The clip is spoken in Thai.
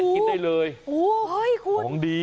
อันนี้กินได้เลยของดี